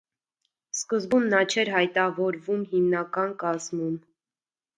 Սկզբում նա չէր հայտավորվում հիմնական կազմում։